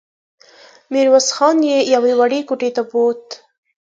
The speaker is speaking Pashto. ميرويس خان يې يوې وړې کوټې ته بوت.